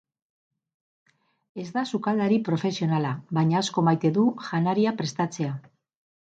Ez da sukaldari profesionala, baina asko maite du janaria prestatzea.